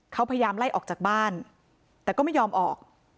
เขาพยายามไล่ออกจากบ้านแต่ก็ไม่ยอมออก